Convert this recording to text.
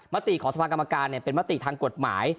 ติของสภากรรมการเป็นมติทางกฎหมาย